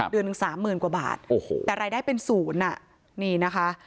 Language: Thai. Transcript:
เดือนหนึ่งสามหมื่นกว่าบาทโอ้โหแต่รายได้เป็นศูนย์อ่ะนี่นะคะ